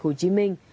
hồ chí minh